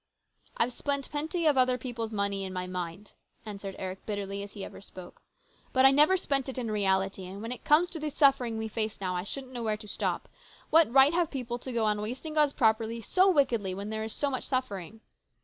" I've spent plenty of other people's money, in my mind," answered Eric as bitterly as he ever spoke. " But I never spent it in reality ; and when it comes to the suffering we face now, I shouldn't know where to stop. What right have people to go on wasting God's property so wickedly while there is so much suffering